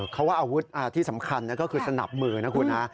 เขาว่าอาวุธที่สำคัญก็คือสนับมือนะคุณฮะ